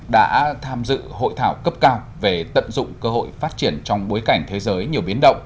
đã tham dự hội thảo cấp cao về tận dụng cơ hội phát triển trong bối cảnh thế giới nhiều biến động